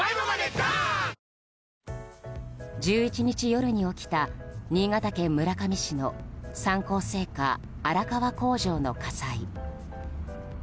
１１日夜に起きた新潟県村上市の三幸製菓荒川工場の火災。